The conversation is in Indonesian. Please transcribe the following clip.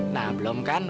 nah belum kan